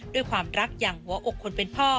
ด้วยความรักอย่างหัวอกคนเป็นพ่อ